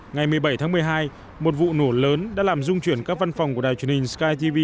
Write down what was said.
ngày một mươi bảy tháng một mươi hai một vụ nổ lớn đã làm rung chuyển các văn phòng của đài truyền hình sky tv